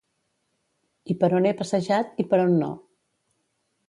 I per on he passejat i per on no.